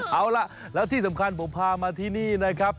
เอาล่ะแล้วที่สำคัญผมพามาที่นี่นะครับ